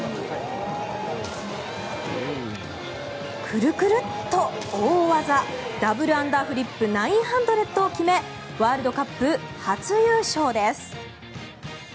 クルクルッと大技ダブルアンダーフリップ９００を決めワールドカップ初優勝です。